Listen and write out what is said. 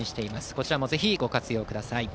こちらもぜひご活用ください。